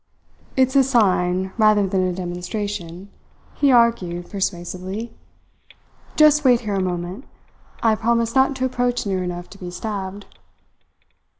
"It's a sign rather than a demonstration," he argued, persuasively. "Just wait here a moment. I promise not to approach near enough to be stabbed."